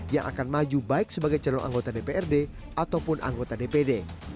yang akan maju baik sebagai calon anggota dprd ataupun anggota dpd